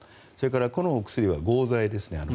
それからこのお薬は合剤ですね。